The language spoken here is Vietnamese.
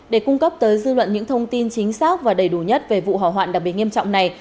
để cung cấp tới dư luận những thông tin chính xác và đầy đủ nhất về vụ hỏa hoạn đặc biệt nghiêm trọng này